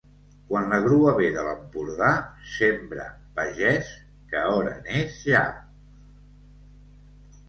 Quan la grua ve de l'Empordà, sembra, pagès, que hora n'és ja.